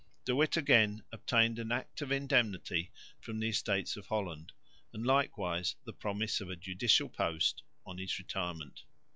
De Witt again obtained an Act of Indemnity from the Estates of Holland and likewise the promise of a judicial post on his retirement.